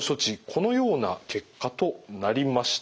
このような結果となりました。